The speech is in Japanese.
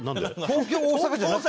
東京大阪じゃなくて？